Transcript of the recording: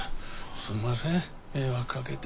すんません迷惑かけて。